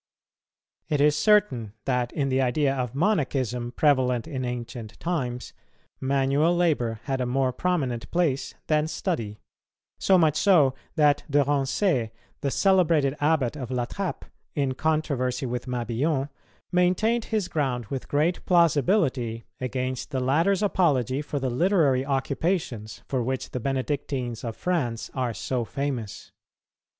It is certain that, in the idea of Monachism, prevalent in ancient times, manual labour had a more prominent place than study; so much so that De Rancé, the celebrated Abbot of La Trappe, in controversy with Mabillon, maintained his ground with great plausibility against the latter's apology for the literary occupations for which the Benedictines of France are so famous.